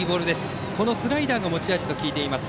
田中はこのスライダーが持ち味と聞いています。